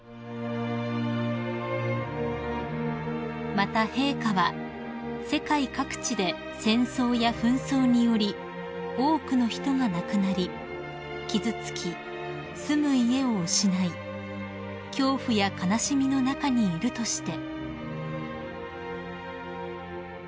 ［また陛下は「世界各地で戦争や紛争により多くの人が亡くなり傷つき住む家を失い恐怖や悲しみの中にいる」として］